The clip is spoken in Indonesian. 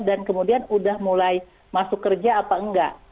dan kemudian udah mulai masuk kerja apa enggak